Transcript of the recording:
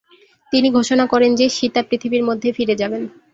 তিনি ঘোষণা করেন যে, সীতা পৃথিবীর মধ্যে ফিরে যাবেন।